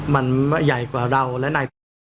มันใหญ่กว่าเราและใน